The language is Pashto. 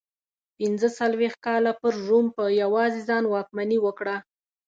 پنځه څلوېښت کاله پر روم په یوازې ځان واکمني وکړه